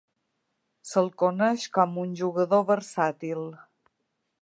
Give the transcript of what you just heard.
Se'l coneix com un jugador versàtil.